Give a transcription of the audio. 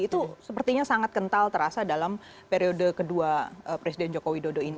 itu sepertinya sangat kental terasa dalam periode kedua presiden jokowi